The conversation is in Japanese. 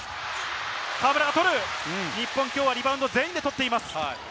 河村がとる、日本きょうはリバウンド、全員で取っています。